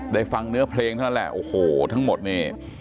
ฟังเนื้อเพลงเท่านั้นแหละโอ้โหทั้งหมดนี่